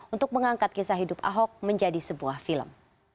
untuk mengangkat kisah hidup ahok menjadi sebuah film